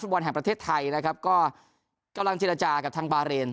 บอลแห่งประเทศไทยนะครับก็กำลังเจรจากับทางบาเรน